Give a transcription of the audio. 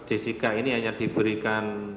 jessica ini hanya diberikan